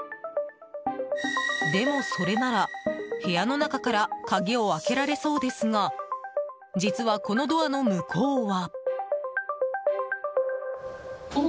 でもそれなら部屋の中から鍵を開けられそうですが実は、このドアの向こうは。